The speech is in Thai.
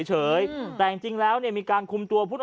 ชาวบ้านญาติโปรดแค้นไปดูภาพบรรยากาศขณะ